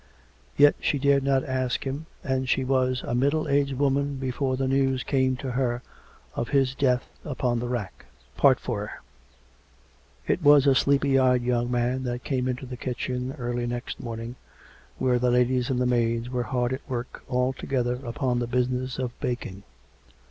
Yet she dared not ask him, and she was a middle aged woman before the news came to her of his death upon the rack. IV It was a sleepy eyed young man that came into the kitchen early next morning, where the ladies and the maids were hard at work all together upon the business of baking.